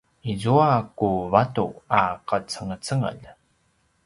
izua ku vatu a qacengecengel